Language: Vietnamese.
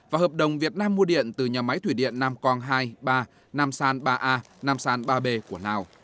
và hợp đồng việt nam mua điện từ nhà máy thủy điện nam cong hai ba nam san ba a nam san ba b của lào